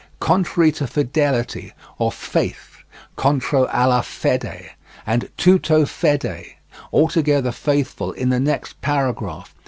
"Contrary to fidelity" or "faith," "contro alla fede," and "tutto fede," "altogether faithful," in the next paragraph.